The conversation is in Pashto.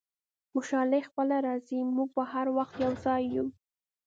خوشحالي خپله راځي، موږ به هر وخت یو ځای یو.